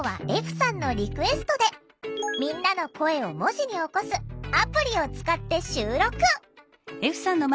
歩さんのリクエストでみんなの声を文字に起こすアプリを使って収録！